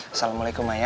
assalamualaikum ma ya